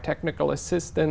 mà chúng tôi có thể